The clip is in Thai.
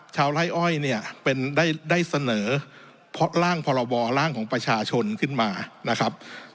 ชาวไร้อ้อยได้เสนอร่างพรบร่างของประชาชนขึ้นมา